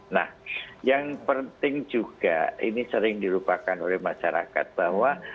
nah yang penting juga ini sering dilupakan oleh masyarakat bahwa